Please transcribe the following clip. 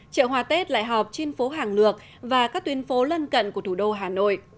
chợ hoa tết lại họp trên phố hàng lược và các tuyến phố lân cận của thủ đô hà nội